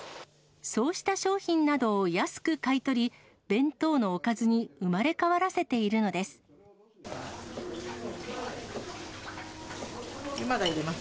そうした商品などを安く買い取り、弁当のおかずに生まれ変わらせているのです。